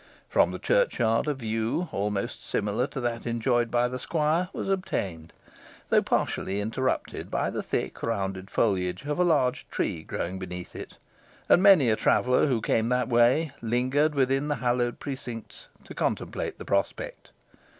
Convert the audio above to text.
From the churchyard a view, almost similar to that enjoyed by the squire, was obtained, though partially interrupted by the thick rounded foliage of a large tree growing beneath it; and many a traveller who came that way lingered within the hallowed precincts to contemplate the prospect.